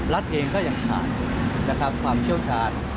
รัฐเองก็ยังขาดนะครับความเชี่ยวชาญ